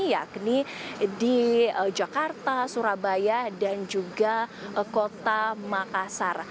yakni di jakarta surabaya dan juga kota makassar